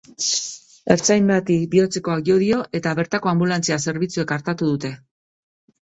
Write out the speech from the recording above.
Ertzain bati bihotzekoak jo dio eta bertako anbulantzia zerbitzuek artatu dute.